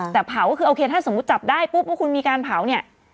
แต่เผาก็คือโอเคถ้าสมมุติจับได้ปุ๊บว่าคุณมีการเผาเนี่ย